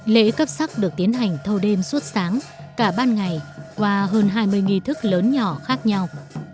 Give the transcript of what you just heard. lễ cấp sắc được tiến hành thâu đêm suốt sáng cả ban ngày qua hơn hai mươi nghi thức lớn nhỏ khác nhau